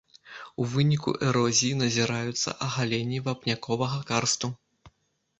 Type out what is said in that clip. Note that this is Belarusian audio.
У выніку эрозіі назіраюцца агаленні вапняковага карсту.